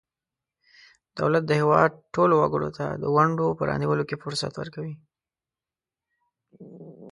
دولت د هیواد ټولو وګړو ته د ونډو په رانیولو کې فرصت ورکوي.